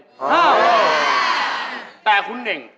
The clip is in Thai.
เฮ้ยแต่คุณเน่ง